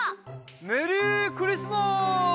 メリークリスマス！